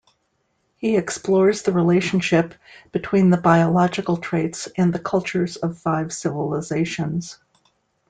He explores the relationship between the biological traits and the cultures of five civilizations.